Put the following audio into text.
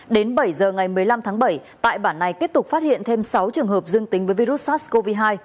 đến bảy giờ ngày một mươi năm tháng bảy tại bản này tiếp tục phát hiện thêm sáu trường hợp dương tính với virus sars cov hai